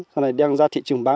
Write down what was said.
xong là đem ra thị trường bán